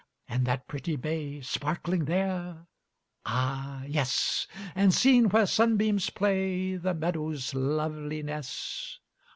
And that pretty bay Sparkling there?" "Ah yes!" "And, seen where sunbeams play, The meadows' loveliness?